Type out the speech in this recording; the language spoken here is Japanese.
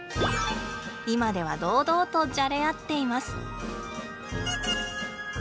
今では堂々とじゃれ合っています。